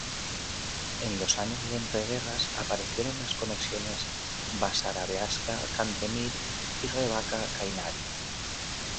En los años de entreguerras aparecieron las conexiones Basarabeasca-Cantemir y Revaca-Căinari.